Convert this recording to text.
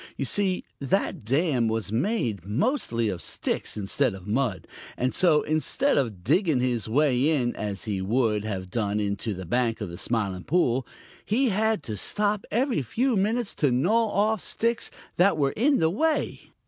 You see, that dam was made mostly of sticks instead of mud, and so, instead of digging his way in as he would have done into the bank of the Smiling Pool, he had to stop every few minutes to gnaw off sticks that were in the way.